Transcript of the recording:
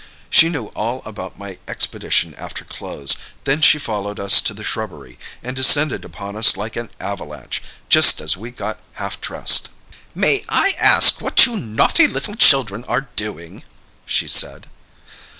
She knew all about my expedition after clothes; then she followed us to the shrubbery, and descended upon us like an avalanche, just as we got half dressed!" "'May I ask what you naughty little children are doing?' she said.